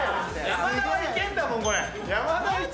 山田はいけんだもん。